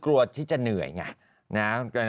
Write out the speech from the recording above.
เก่งเก่งเก่งเก่ง